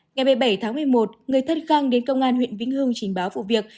ngày một mươi bảy tháng một mươi một người thân khang đến công an huyện vĩnh hưng trình báo vụ việc